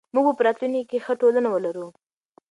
موږ به په راتلونکي کې ښه ټولنه ولرو.